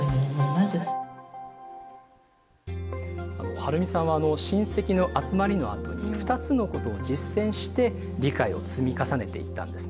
春美さんは親戚の集まりのあとに２つのことを実践して理解を積み重ねていったんですね。